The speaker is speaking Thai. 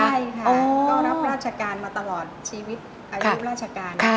ใช่ค่ะก็รับราชการมาตลอดชีวิตอายุราชการ